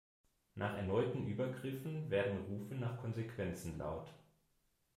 Nach erneuten Übergriffen werden Rufe nach Konsequenzen laut.